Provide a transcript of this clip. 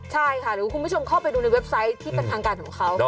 ใช่ค่ะหรือคุณผู้ชมเข้าไปดูในเว็บไซต์ที่เป็นทางการของเขา